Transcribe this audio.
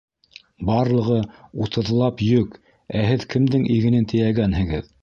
Барлығы утыҙлап йөк, ә һеҙ кемдең игенен тейәгәнһегеҙ?